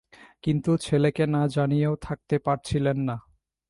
কিন্তু ছেলেকে না জানিয়েও থাকতে পারছিলেন না।